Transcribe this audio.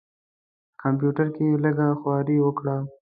کمپیوټر کې یې لږه خواري وکړه.